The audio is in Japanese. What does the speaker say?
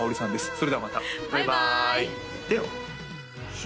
それではまたバイバーイ言ってよ